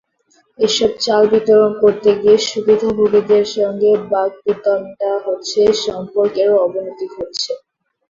এসব চাল বিতরণ করতে গিয়ে সুবিধাভোগীদের সঙ্গে বাগ্বিতণ্ডা হচ্ছে, সম্পর্কেরও অবনতি ঘটছে।